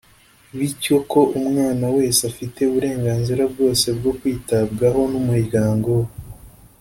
bityo ko umwana wese afite uburenganzira bwose bwo kwitabwaho n’umuryango we